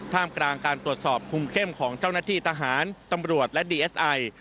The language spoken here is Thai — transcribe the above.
กลางการตรวจสอบคุมเข้มของเจ้าหน้าที่ทหารตำรวจและดีเอสไอ